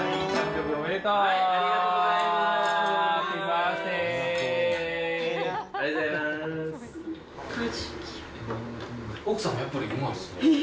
ありがとうございます。